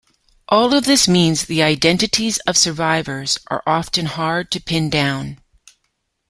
All of this means the identities of survivors are often hard to pin down.